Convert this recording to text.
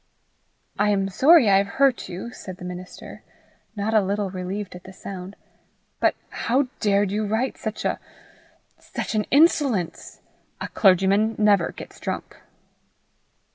"I am sorry I have hurt you," said the minister, not a little relieved at the sound; "but how dared you write such a such an insolence? A clergyman never gets drunk."